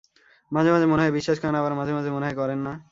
মাঝে মাঝে মনে হয় বিশ্বাস করেন, আবার মাঝে-মাঝে মনে হয় করেন না।